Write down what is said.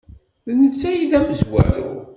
D netta ay d amezwaru.